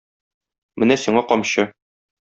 Менә сиңа камчы.